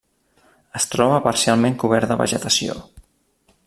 Es troba parcialment cobert de vegetació.